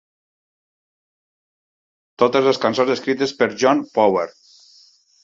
Totes les cançons escrites per John Power.